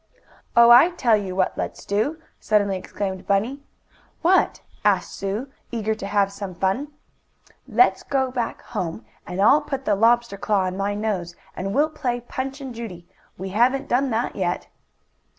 "Oh, I tell you what let's do!" suddenly exclaimed Bunny. "What?" asked Sue, eager to have some fun. "Let's go back home, and I'll put the lobster claw on my nose, and we'll play Punch and Judy. We haven't done that yet."